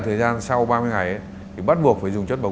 thời gian sau ba mươi ngày ấy thì bắt buộc phải dùng chất bảo